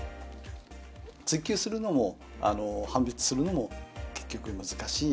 追及するのも判別するのも結局、難しい。